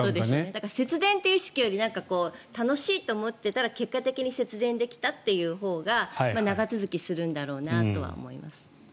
だから節電という意識より楽しいと思っていたら結果的に節電できたというほうが長続きするんだろうなとは思います。